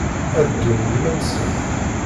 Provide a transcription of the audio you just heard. Ad ddun i yiman-nsen.